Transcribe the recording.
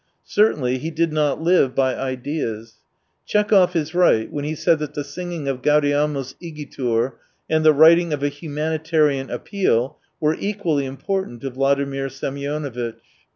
Certainly he did not live by ideas. Tchekhov is right when he says that the singing of Gaudeamus igitur and the writing of a humanitarian appeal were equally important to Vladimir Semionovitch.